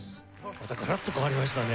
またガラッと変わりましたね。